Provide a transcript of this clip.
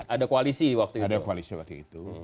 ada koalisi waktu itu